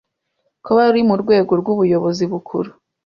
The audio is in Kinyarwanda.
kuba ari mu rwego rw ubuyobozi bukuru